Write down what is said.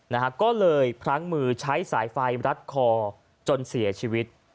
นะฮะก็เลยพลั้งมือใช้สายไฟรัดคอจนเสียชีวิต